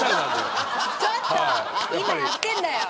ちょっと、今やってんだよ。